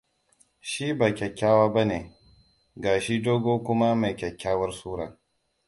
Shi ba kyakkyawa ba ne? - Ga shi dogo kuma mai kyakkyawar sura.